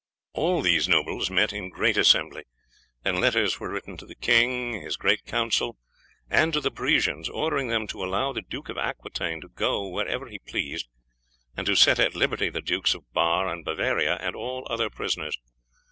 All these nobles met in a great assembly, and letters were written to the king, his great council, and to the Parisians, ordering them to allow the Duke of Aquitaine to go wherever he pleased, and to set at liberty the Dukes of Bar and Bavaria and all other prisoners.